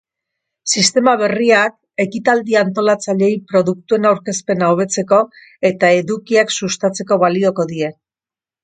Sistema berriak ekitaldi antolatzaileei produktuen aurkezpena hobetzeko eta edukiak sustatzeko balioko die.